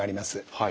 はい。